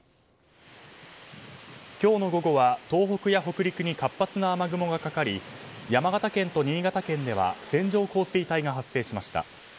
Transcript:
今日の午後は東北や北陸に活発な雨雲がかかり山形県と新潟県では線状降水帯が発生しました。